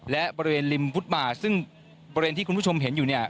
และบริเวณริมฟุตมาซึ่งบริเวณที่คุณผู้ชมเห็นอยู่เนี่ย